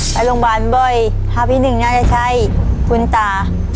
ไปโรงพยาบาลบ่อยภาพที่หนึ่งน่าจะใช่คุณตา